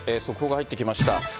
速報が入ってきました。